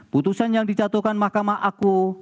putusan yang dijatuhkan mahkamah aku